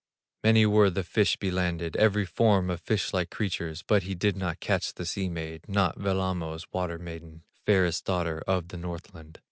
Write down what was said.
Many were the fish he landed, Every form of fish like creatures, But he did not catch the sea maid, Not Wellamo's water maiden, Fairest daughter of the Northland.